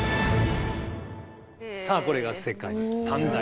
さあこれが世界三大。